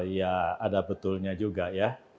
ya ada betulnya juga ya